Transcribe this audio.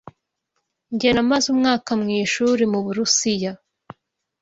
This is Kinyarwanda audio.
Njye namaze umwaka mwishuri muburusiya.